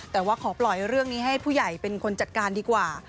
แต่ว่าขอปล่อยเรื่องนี้ให้ผู้ใหญ่เป็นคนจัดการดีกว่า